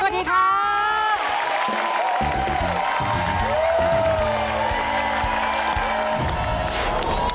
สวัสดีครับ